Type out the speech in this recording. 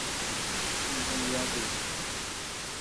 Iñsé yakuy.